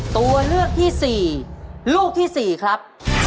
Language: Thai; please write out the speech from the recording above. ตัวเลือกที่สี่ลูกที่สี่ครับ